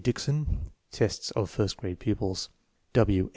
Dickson (tests of first grade pupils); W.